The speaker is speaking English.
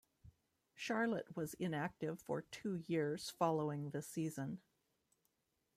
Charlotte was inactive for two years following the season.